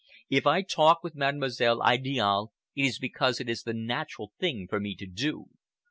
If I talk with Mademoiselle Idiale, it is because it is the natural thing for me to do.